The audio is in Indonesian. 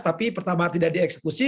tapi pertama tidak dieksekusi